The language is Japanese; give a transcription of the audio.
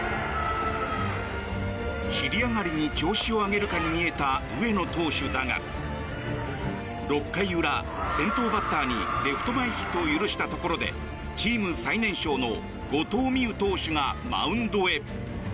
尻上がりに調子を上げるかに見えた上野投手だが６回裏、先頭バッターにレフト前ヒットを許したところでチーム最年少の後藤希友投手がマウンドへ。